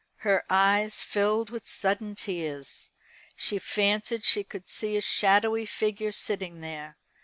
Her eyes filled with sudden tears. She fancied she could see a shadowy figure sitting there.